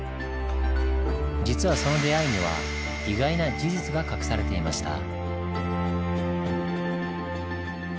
実はその出会いには意外な事実が隠されていました。